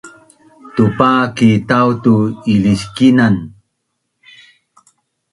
Tuqa ki tau tu iliskinan